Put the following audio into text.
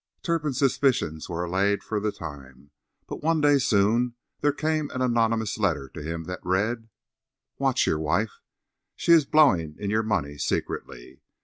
Turpin's suspicions were allayed for the time. But one day soon there came an anonymous letter to him that read: Watch your wife. She is blowing in your money secretly.